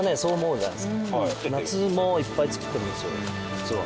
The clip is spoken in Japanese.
実は。